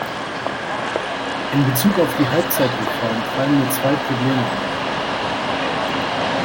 In Bezug auf die Halbzeitreform fallen mir zwei Probleme auf.